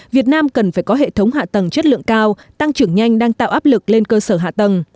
việt nam cần phải có hệ thống hạ tầng chất lượng cao tăng trưởng nhanh đang tạo áp lực lên cơ sở hạ tầng